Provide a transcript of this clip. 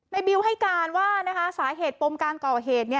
บิวให้การว่าสาเหตุปมการก่อเหตุ